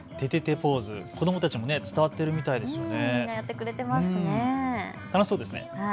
ポーズ、子どもたちも伝わっているみたいですね。